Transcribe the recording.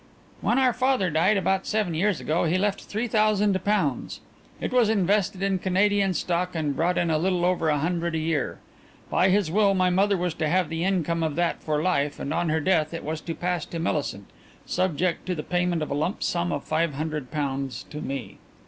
"When our father died about seven years ago, he left three thousand pounds. It was invested in Canadian stock and brought in a little over a hundred a year. By his will my mother was to have the income of that for life and on her death it was to pass to Millicent, subject to the payment of a lump sum of five hundred pounds to me.